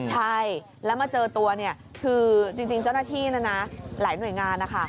ใช่แล้วมาเจอตัวเนี่ยคือจริงเจ้าหน้าที่นะนะหลายหน่วยงานนะคะ